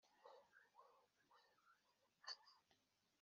Ryavuguruwe kugeza ubu cyane cyane mugihugu